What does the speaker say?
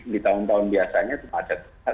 di tahun tahun biasanya cuma ada